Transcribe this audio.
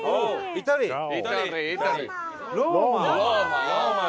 イタリー？